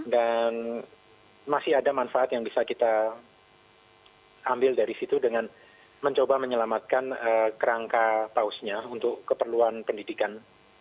dan masih ada manfaat yang bisa kita ambil dari situ dengan mencoba menyelamatkan kerangka pausnya untuk keperluan pendidikan